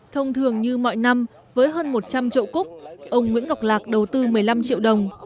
thông thường như mọi năm với hơn một trăm linh trậu cúc ông nguyễn ngọc lạc đầu tư một mươi năm triệu đồng